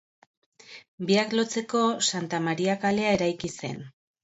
Biak lotzeko Santa Maria kalea eraiki zen.